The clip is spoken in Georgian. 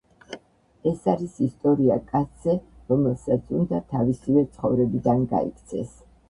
ეს არის ისტორია კაცზე, რომელსაც უნდა თავისივე ცხოვრებიდან გაიქცეს.